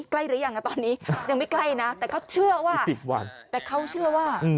ใกล้หรือยังนะตอนนี้ยังไม่ใกล้นะแต่เขาเชื่อว่า